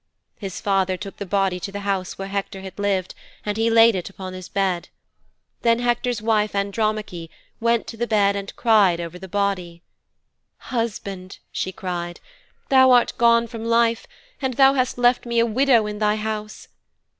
'His father took the body to the house where Hector had lived and he laid it upon his bed. Then Hector's wife, Andromache, went to the bed and cried over the body. "Husband," she cried, "thou art gone from life, and thou hast left me a widow in thy house.